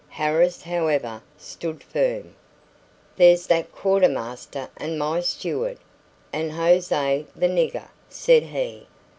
Harris, however, stood firm. "There's that quartermaster and my steward, and José the nigger," said he.